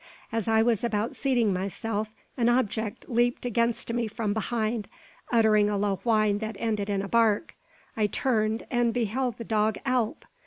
As I was about seating myself, an object leaped against me from behind, uttering a low whine that ended in a bark. I turned, and beheld the dog Alp.